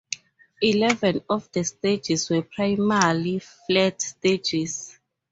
Eleven of the stages were primarily flat stages.